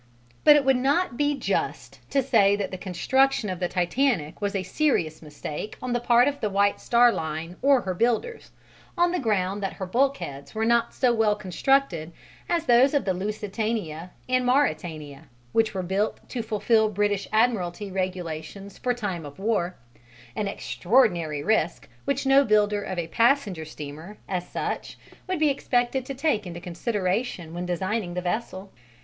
But it would not be just to say that the construction of the Titanic was a serious mistake on the part of the White Star Line or her builders, on the ground that her bulkheads were not so well constructed as those of the Lusitania and Mauretania, which were built to fulfil British Admiralty regulations for time of war an extraordinary risk which no builder of a passenger steamer as such would be expected to take into consideration when designing the vessel.